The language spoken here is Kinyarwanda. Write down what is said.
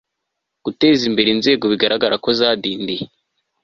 gutezimbere inzego bigaragara ko zadindiye